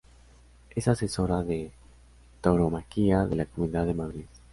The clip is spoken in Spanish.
Es asesora de tauromaquia de la comunidad de Madrid.